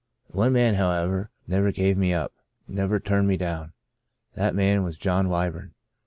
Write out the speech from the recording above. One man, however, never gave me up — never turned me down. That man was John Wyburn.